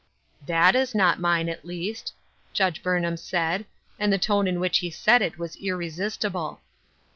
" TJiat is not mine, at least," Judge Burnham said, and the tone in which he said it was irresist ible.